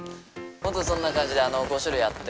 本当そんな感じで５種類あって。